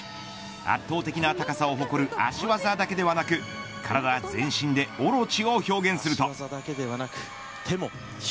圧倒的な高さを誇る足技だけではなく体全身でオロチを表現すると。